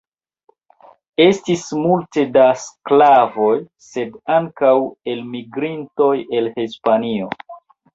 Estis multe da sklavoj, sed ankaŭ elmigrintoj el Hispanio.